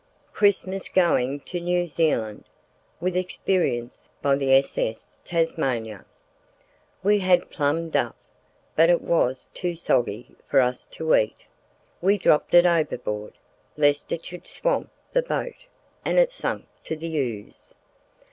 Christmas going to New Zealand, with experience, by the s.s. Tasmania. We had plum duff, but it was too "soggy" for us to eat. We dropped it overboard, lest it should swamp the boat—and it sank to the ooze.